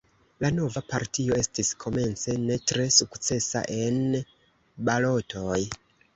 La nova partio estis komence ne tre sukcesa en balotoj.